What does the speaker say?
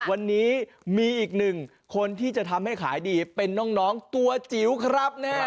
วันนี้มีอีกหนึ่งคนที่จะทำให้ขายดีเป็นน้องตัวจิ๋วครับแน่